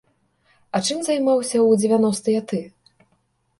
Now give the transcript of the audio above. А чым займаўся ў дзевяностыя ты?